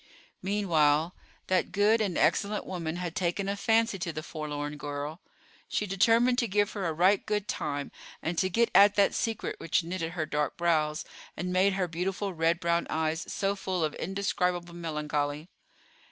Meanwhile, that good and excellent woman had taken a fancy to the forlorn girl. She determined to give her a right good time, and to get at that secret which knitted her dark brows, and made her beautiful red brown eyes so full of indescribable melancholy.